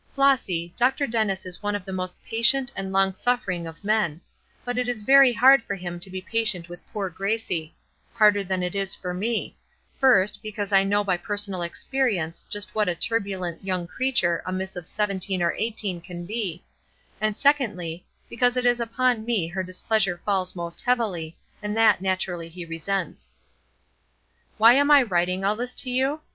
Flossy, Dr. Dennis is one of the most patient and long suffering of men, but it is very hard for him to be patient with poor Gracie; harder than it is for me; first, because I know by personal experience just what a turbulent young creature a miss of seventeen or eighteen can be, and secondly, because it is upon me her displeasure falls most heavily, and that naturally he resents. "Why am I writing all this to you?